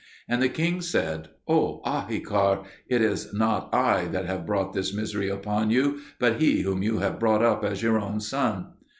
And the king said, "O Ahikar, it is not I that have brought this misery upon you, but he whom you have brought up as your own son."